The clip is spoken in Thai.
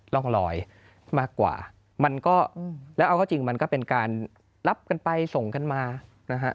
ร่องรอยมากกว่ามันก็แล้วเอาก็จริงมันก็เป็นการรับกันไปส่งกันมานะฮะ